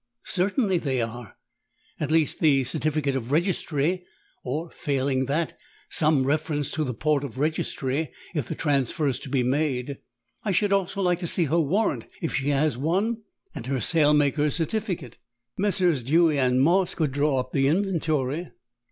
"Certainly they are. At least the certificate of registry or, failing that, some reference to the port of registry, if the transfer is to be made. I should also like to see her warrant if she has one, and her sailmaker's certificate. Messrs. Dewy and Moss could draw up the inventory."